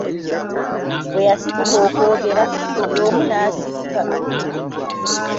Bwe yasituka okwogera, buli omu n'asirika.